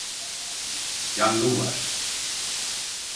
Yangın var!